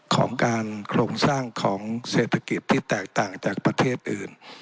ของการโครงสร้างของเศรษฐกิจที่แตกต่างจากประเทศอื่น